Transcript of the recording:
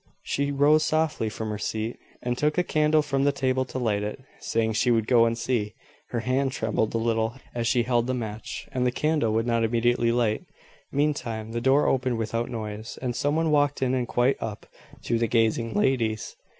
She rose softly from her seat, and took a candle from the table to light it, saying she would go and see. Her hand trembled a little as she held the match, and the candle would not immediately light. Meantime, the door opened without noise, and some one walked in and quite up to the gazing ladies.